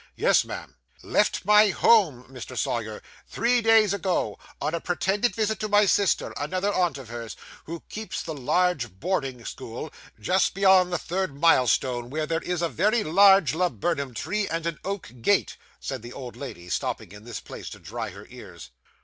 'Yes, ma'am.' 'Left my home, Mr. Sawyer, three days ago, on a pretended visit to my sister, another aunt of hers, who keeps the large boarding school, just beyond the third mile stone, where there is a very large laburnum tree and an oak gate,' said the old lady, stopping in this place to dry her eyes.